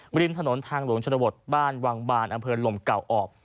ริมถนนทางหลวงชนบทบ้านวังบานอำเภอลมเก่าออก